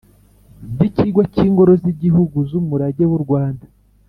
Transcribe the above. by Ikigo cy Ingoro z Igihugu z Umurage w urwanda